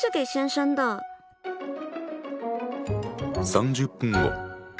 ３０分後。